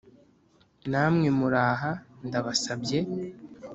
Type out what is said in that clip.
namwe muri aha ndabasabye